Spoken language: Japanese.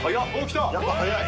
やっぱ早い。